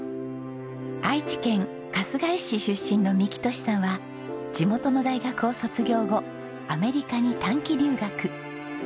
愛知県春日井市出身の幹寿さんは地元の大学を卒業後アメリカに短期留学。